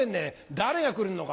誰が来るのか